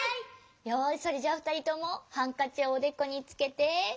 よしそれじゃあふたりともハンカチをおでこにつけて。